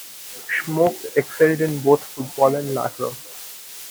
Schmoke excelled in both football and lacrosse.